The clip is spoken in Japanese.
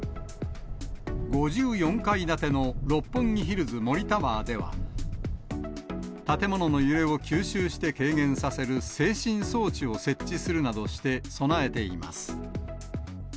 ５４階建ての六本木ヒルズ森タワーでは、建物の揺れを吸収して軽減させる制振装置を設置するなどして、備えています。